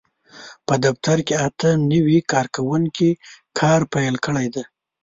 په دفتر کې اته نوي کارکوونکي کار پېل کړی دی.